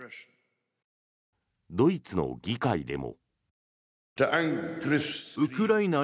ドイツの議会でも。